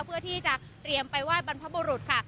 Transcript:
เพื่อที่จะเตรียมไปไหว้บรรพบุรุษค่ะ